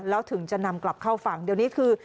แล้วถึงจะนำกลับเข้าฝั่งเดี๋ยวนี้คือ